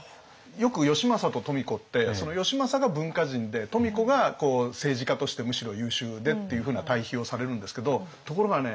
よく義政と富子って義政が文化人で富子が政治家としてむしろ優秀でっていうふうな対比をされるんですけどところがね